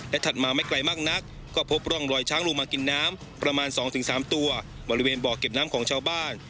ถัดมาไม่ไกลมากนักก็พบร่องรอยช้างลงมากินน้ำประมาณ๒๓ตัวบริเวณบ่อเก็บน้ำของชาวบ้าน